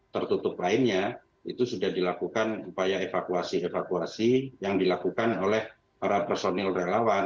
tertutup lainnya itu sudah dilakukan upaya evakuasi evakuasi yang dilakukan oleh para personil relawan